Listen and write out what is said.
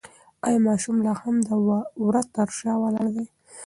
ایا ماشوم لا هم د وره تر شا ولاړ دی؟